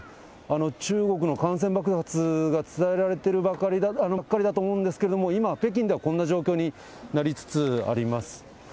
中国の感染爆発が伝えられているばっかりだと思うんですけれども、今、北京ではこんな状況になりつつあります。